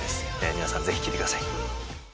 皆さんぜひ聴いてください。